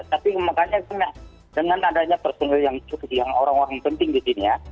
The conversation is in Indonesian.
tapi makanya dengan adanya personal yang cukup yang orang orang penting di sini ya